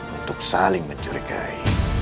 untuk saling menjurikai